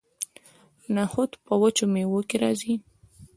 نخود په وچو میوو کې راځي.